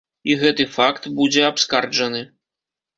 І гэты факт будзе абскарджаны.